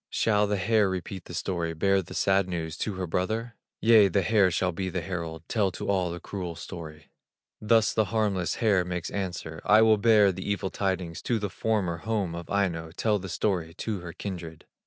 Shall the hare repeat the story, Bear the sad news to her brother? Yea, the hare shall be the herald, Tell to all the cruel story. Thus the harmless hare makes answer: "I will bear the evil tidings To the former home of Aino, Tell the story to her kindred."